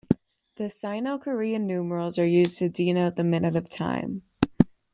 The Sino-Korean numerals are used to denote the minute of time.